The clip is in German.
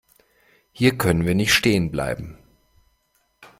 Hier können wir nicht stehen bleiben.